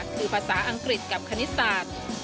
คือภาษาอังกฤษกับคณิตศาสตร์